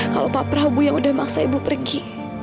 kalau pak prabu yang udah maksa ibu pergi